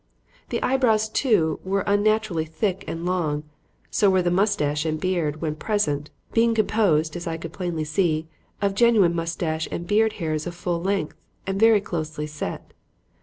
The eyebrows too were unnaturally thick and long and so were the mustache and beard, when present; being composed, as I could plainly see, of genuine mustache and beard hairs of full length and very closely set.